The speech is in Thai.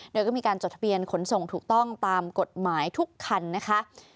โดยก็มีการจดทะเบียนขนส่งถูกต้องตามกฎหมายทุกคันนะคะ